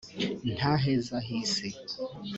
Ntaheza hisi